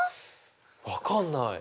分かんない。